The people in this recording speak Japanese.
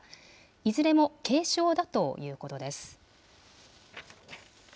いずれも軽傷だということです。